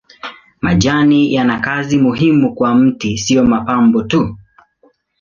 Majani yana kazi muhimu kwa mti si mapambo tu.